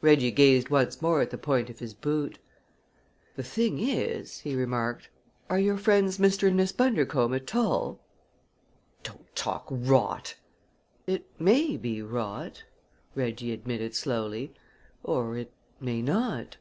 Reggie gazed once more at the point of his boot. "The thing is," he remarked, "are your friends Mr. and Miss Bundercombe at all?" "Don't talk rot!" "It may be rot," Reggie admitted slowly, "or it may not.